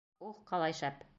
— Ух, ҡалай шәп!